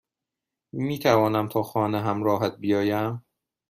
میتوانم تا خانه همراهت بیایم؟